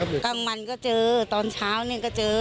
กลางมันเจอตอนเช้านี้เจอ